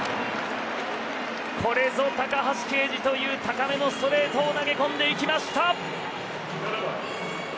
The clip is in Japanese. これぞ高橋奎二という高めのストレートを投げ込んでいきました。